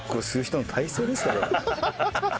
ハハハハ！